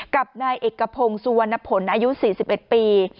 กับนายเอกพงศ์สุวรรณผลอายุ๔๑ปี